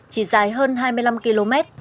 chỉ dài hơn hai mươi năm km